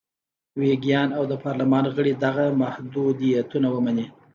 ویګیان او د پارلمان غړي دغه محدودیتونه ومني.